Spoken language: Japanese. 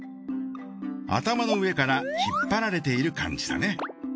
頭の上から引っ張られている感じだね。